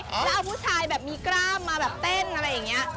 แล้วเอาผู้ชายแบบมีกล้ามมาแบบเต้นอะไรอย่างนี้